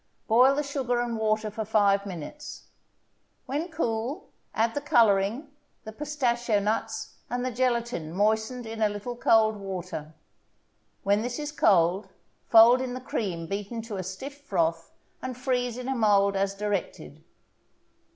Boil the sugar and water for five minutes; when cool, add the coloring, the pistachio nuts, and the gelatin moistened in a little cold water. When this is cold, fold in the cream beaten to a stiff froth, and freeze in a mold as directed.